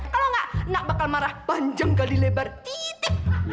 kalau nggak nak bakal marah panjang kali lebar titik